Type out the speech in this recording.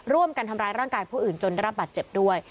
ร่วมกันทำร้ายร่างกายผู้อื่นจนได้รับบาดเจ็บด้วย